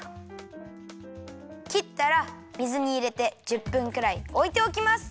きったら水にいれて１０分くらいおいておきます。